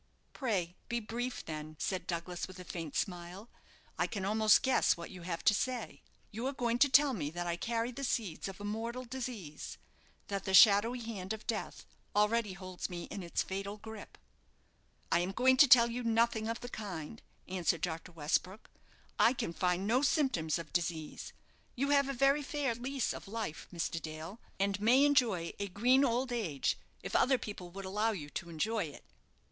"Pray be brief, then," said Douglas with a faint smile. "I can almost guess what you have to say. You are going to tell me that I carry the seeds of a mortal disease; that the shadowy hand of death already holds me in its fatal grip." "I am going to tell you nothing of the kind," answered Dr. Westbrook. "I can find no symptoms of disease. You have a very fair lease of life, Mr. Dale, and may enjoy a green old age, if other people would allow you to enjoy it."